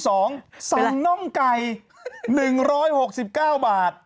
ส่งน่องไก่๑๖๙บาท